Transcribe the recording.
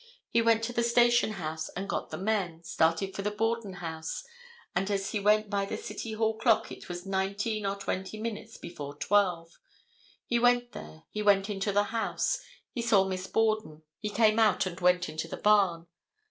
He went to the station house and got the men, started for the Borden house, and as he went by the city hall clock it was nineteen or twenty minutes before 12. He went there; he went into the house. He saw Miss Borden. He came out and went into the barn.